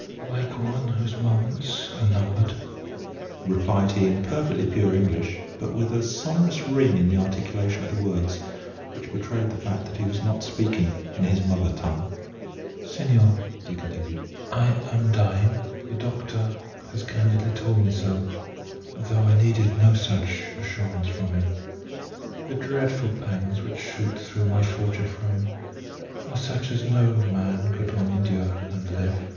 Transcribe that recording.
"Like one whose moments are numbered," replied he in perfectly pure English, but with a sonorous ring in the articulation of the words, which betrayed the fact that he was not speaking in his mother tongue. "Senor," he continued, "I am dying; the doctor has candidly told me so, though I needed no such assurance from him. The dreadful pangs which shoot through my tortured frame are such as no man could long endure and live.